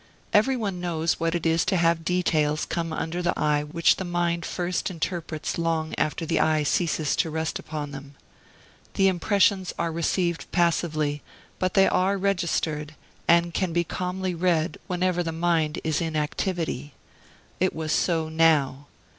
Everyone knows what it is to have details come under the eye which the mind first interprets long after the eye ceases to rest upon them. The impressions are received passively; but they are registered, and can be calmly read whenever the mind is in activity. It was so now.